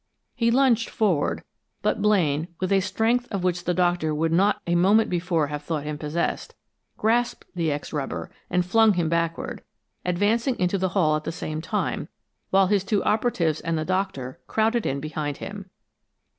He lunged forward, but Blaine, with a strength of which the Doctor would not a moment before have thought him possessed, grasped the ex rubber and flung him backward, advancing into the hall at the same time, while his two operatives and the Doctor crowded in behind him.